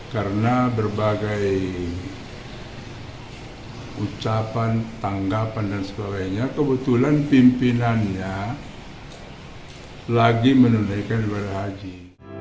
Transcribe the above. karena berbagai ucapan tanggapan dan sebagainya kebetulan pimpinannya lagi menundaikan kepada haji